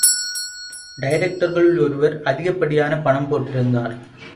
டைரக்டர்களுள் ஒருவர் அதிகப்படியான பணம் போட்டிருந்தார்.